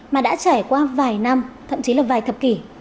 mà đã trải qua vài năm thậm chí là vài thập kỷ